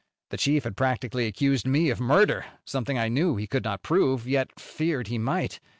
The chief had practically accused me of murder something I knew he could not prove, yet feared he might.